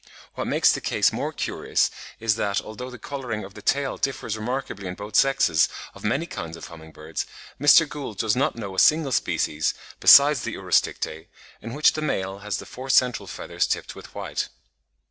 What makes the case more curious is that, although the colouring of the tail differs remarkably in both sexes of many kinds of humming birds, Mr. Gould does not know a single species, besides the Urosticte, in which the male has the four central feathers tipped with white.